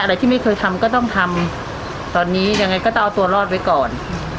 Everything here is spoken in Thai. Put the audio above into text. อะไรที่ไม่เคยทำก็ต้องทำตอนนี้ยังไงก็ต้องเอาตัวรอดไว้ก่อน